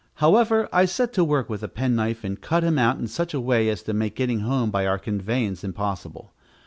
However, I set to work with a pen knife, and cut him out in such a way as to make getting home by our conveyance impossible.